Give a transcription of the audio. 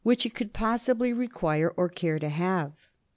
397 which it could possibly require or care to have.